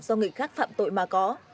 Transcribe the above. do người khác phạm tội mà có